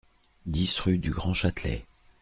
dix rue du Grand Châtelet